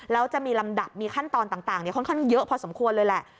แล้วจะมีลำดับมีขั้นตอนต่างค่อนข้างเยอะพอสมควรเลยแหละ